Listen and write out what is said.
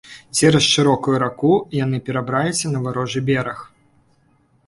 Цераз шырокую раку яны перабраліся на варожы бераг.